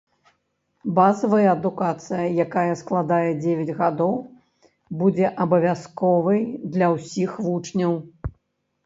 Базавая адукацыя, якая складзе дзевяць гадоў, будзе абавязковай для ўсіх вучняў.